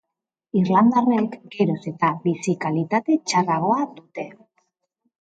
Irlandarrek geroz eta bizi-kalitate txarragoa dute.